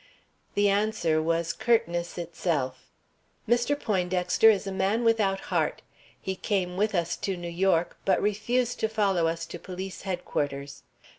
The answer was curtness itself: "Mr. Poindexter is a man without heart. He came with us to New York, but refused to follow us to Police Headquarters.